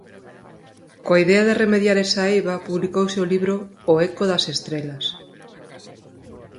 Coa idea de remediar esa eiva publicouse o libro "O Eco das estrelas".